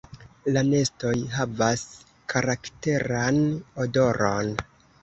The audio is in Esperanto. La nestoj havas karakteran odoron.